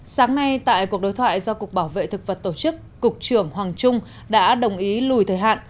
sáng nay tại cuộc đối thoại do cục bảo vệ thực vật tổ chức cục trưởng hoàng trung đã đồng ý lùi thời hạn